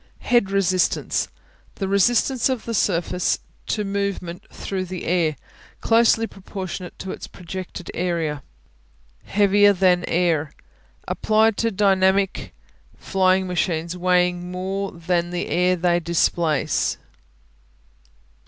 Head Resistance The resistance of a surface to movement through the air; closely proportionate to its projected area. Heavier than air Applied to dynamic flying machines weighing more than the air they displace.